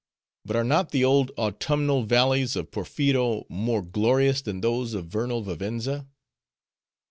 But are not the old autumnal valleys of Porpheero more glorious than those of vernal Vivenza?